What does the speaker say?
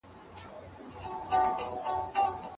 په سودا کې چل مه کوئ.